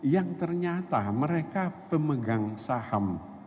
yang ternyata mereka pemegang saham